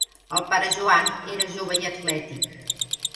El pare Joan era jove i atlètic.